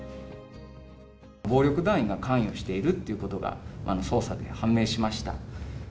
暴力団員が関与しているということが、捜査で判明しました。